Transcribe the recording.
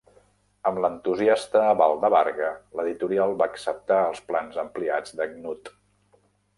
Amb l'entusiasta aval de Varga, l'editorial va acceptar els plans ampliats de Knuth.